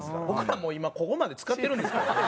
僕らも今ここまでつかってるんですから。